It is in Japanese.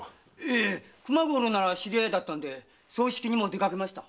熊五郎なら知り合いで葬式にも出かけました。